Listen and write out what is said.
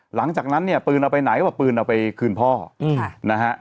หลังจากนั้นเนี่ยปืนเอาไปไหนก็เอาปืนเอาไปคืนพ่อนะฮะ